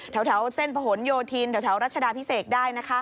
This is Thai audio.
แถวเส้นผนโยธินแถวรัชดาพิเศษได้นะคะ